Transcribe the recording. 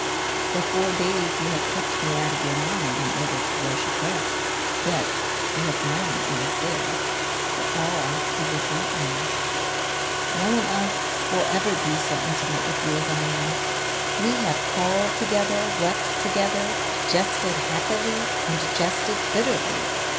For four days you have kept me out of your mind in order to worship her. Yet you have known I was there for all you would not know. No one else will ever be so intimate with you as I am. We have quarrelled together, wept together, jested happily and jested bitterly.